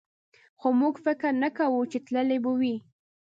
خو موږ فکر نه کوو چې تللی به وي.